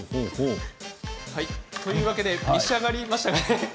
というわけで召し上がりましたか。